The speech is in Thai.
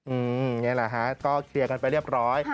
นี่แหละฮะก็เคลียร์กันไปเรียบร้อย